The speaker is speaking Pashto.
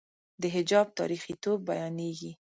د حجاب تاریخيتوب بیانېږي.